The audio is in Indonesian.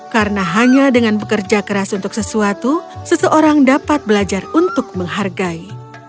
karena hanya dengan bekerja keras untuk sesuatu seseorang dapat belajar untuk menghargai